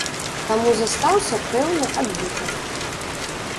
Таму застаўся пэўны адбітак.